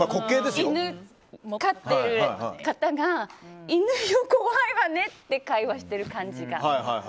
犬飼ってる方が犬よ怖いわねって会話をしている感じが。